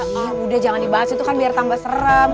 kalau udah jangan dibahas itu kan biar tambah serem